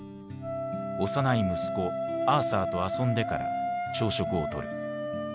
幼い息子アーサーと遊んでから朝食をとる。